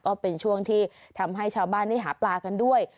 ก็เป็นช่วงที่ทำให้ชาวบ้านได้หาปลากันด้วย